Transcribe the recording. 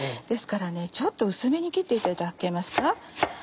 ですからねちょっと薄めに切っていただけますか。